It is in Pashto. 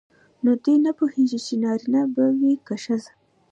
نو دوی نه پوهیږي چې نارینه به وي که ښځه.